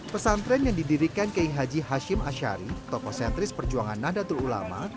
pesantren yang didirikan k h hashim ashari tokoh sentris perjuangan nahdlatul ulama